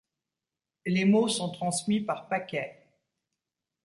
Les mots sont transmis par paquets.